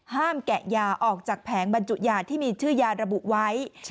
แกะยาออกจากแผงบรรจุยาที่มีชื่อยาระบุไว้